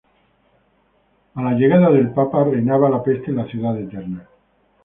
A la llegada del Papa, reinaba la peste en la Ciudad Eterna.